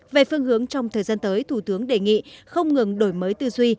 về phương hướng trong thời gian tới thủ tướng đề nghị không ngừng đổi mới tư duy